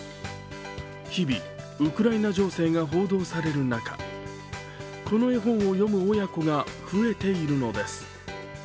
日々、ウクライナ情勢が報道される中、この絵本を読む親子が増えているのです。